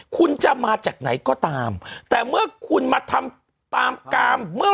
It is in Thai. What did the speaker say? คุณจะมาจากไหนก็ตามแต่เมื่อคุณมาทำตามกามเมื่อ